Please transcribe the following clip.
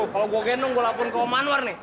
kalo gua genong gua lapun ke om manwar nih